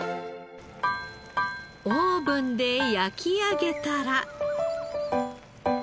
オーブンで焼き上げたら。